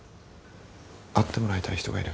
会ってもらいたい人がいる。